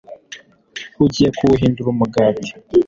ugiye kuwuhindura umugati